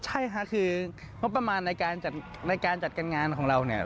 ใช่ค่ะคืองบประมาณในการจัดการงานของเราเนี่ย